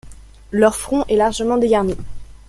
Leur front est largement dégarni.